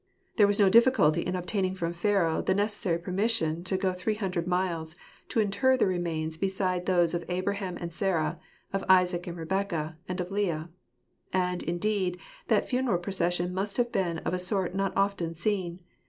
There was no difficulty in obtaining from Pharaoh the necessary permission to go three hundred miles to inter the remains beside those of Abraham and Sarah, of Isaac and Rebekah, and of Leah. And, indeed, that funeral procession must have been of a sort hot often seen.